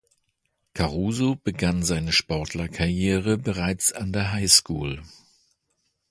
Caruso begann seine Sportlerkarriere bereits an der High School.